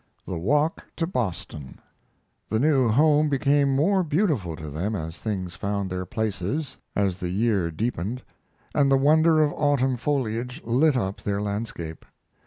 THE WALK TO BOSTON The new home became more beautiful to them as things found their places, as the year deepened; and the wonder of autumn foliage lit up their landscape.